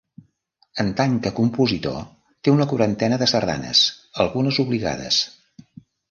En tant que compositor té una quarantena de sardanes, algunes obligades.